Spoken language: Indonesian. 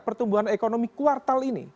pertumbuhan ekonomi kuartal ini